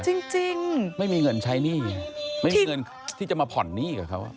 จริงไม่มีเงินใช้หนี้ไงไม่มีเงินที่จะมาผ่อนหนี้กับเขา